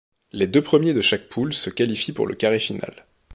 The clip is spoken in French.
Les deux premiers de chaque poule se qualifient pour le carré final.